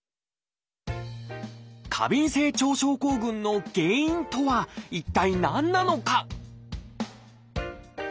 過敏性腸症候群の原因とは一体何なのか？